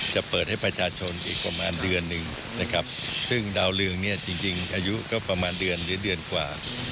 จะเปิดให้ประชาชนอีกประมาณเดือนหนึ่งนะครับซึ่งดาวเรืองเนี่ยจริงอายุก็ประมาณเดือนหรือเดือนกว่า